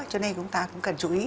cho nên chúng ta cũng cần chú ý